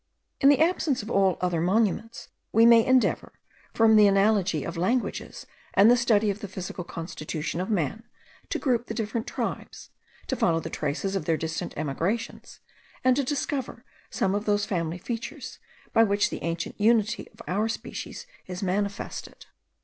In the absence of all other monuments, we may endeavour, from the analogy of languages, and the study of the physical constitution of man, to group the different tribes, to follow the traces of their distant emigrations, and to discover some of those family features by which the ancient unity of our species is manifested.